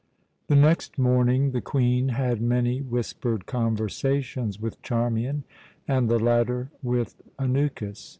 The next morning the Queen had many whispered conversations with Charmian, and the latter with Anukis.